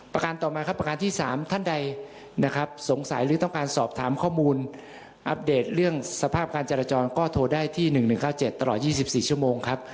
การต่อมาครับประการที่๓ท่านใดนะครับสงสัยหรือต้องการสอบถามข้อมูลอัปเดตเรื่องสภาพการจราจรก็โทรได้ที่๑๑๙๗ตลอด๒๔ชั่วโมงครับ